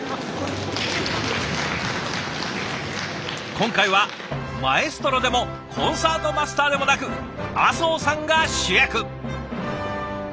今回はマエストロでもコンサートマスターでもなく阿相さんが主役。